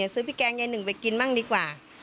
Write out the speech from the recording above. ซื้อพริกแกงยายหนึ่งไปกินบ้างดีกว่า